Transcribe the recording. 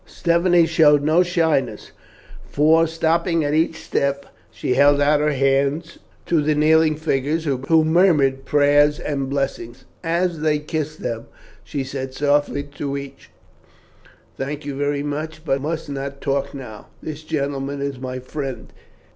Stephanie showed no shyness, for, stopping on each step, she held out her hands to the kneeling figures, who murmured prayers and blessings. As they kissed them, she said softly to each, "Thank you very much, but I must not talk now. This gentleman is my friend.